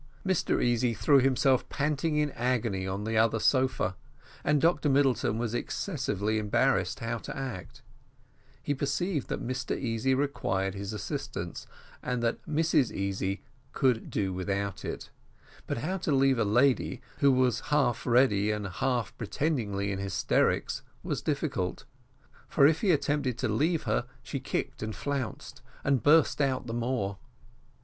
Mr Easy threw himself panting and in agony on the other sofa, and Dr Middleton was excessively embarrassed how to act: he perceived that Mr Easy required his assistance, and that Mrs Easy could do without it; but how to leave a lady who was half really and half pretendedly in hysterics, was difficult; for if he attempted to leave her, she kicked and flounced, and burst out the more.